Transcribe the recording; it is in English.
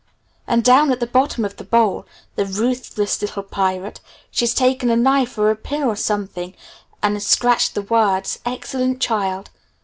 And down at the bottom of the bowl the ruthless little pirate she's taken a knife or a pin or something and scratched the words, 'Excellent Child!'